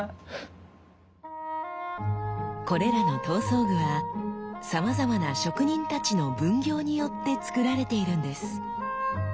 これらの刀装具はさまざまな職人たちの分業によって作られているんです。